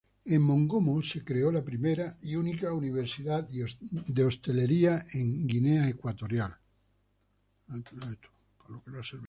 En Mongomo se creó la primera y única universidad de hostelería en Guinea Ecuatorial.